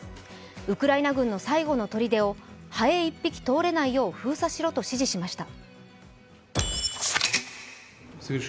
ウクライナ軍の最後のとりでをハエ一匹通れないように封鎖しろと指示しました。